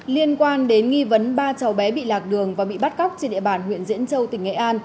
liên quan đến nghi vấn ba cháu bé bị lạc đường và bị bắt cóc trên địa bàn huyện diễn châu tỉnh nghệ an